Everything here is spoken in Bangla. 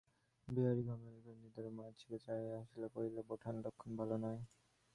বিহারী ক্ষণকাল নিরুত্তরে মহেন্দ্রের মুখের দিকে চাহিয়া হাসিল–কহিল, বোঠান, লক্ষণ ভালো নয়।